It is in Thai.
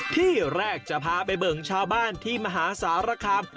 ที่แรกจะพาไปเบิ่งชาวบ้านที่มหาสารคาม